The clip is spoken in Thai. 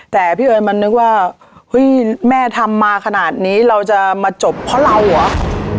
แต่พี่เอิญมันนึกว่าเฮ้ยแม่ทำมาขนาดนี้เราจะมาจบเพราะเราเหรอ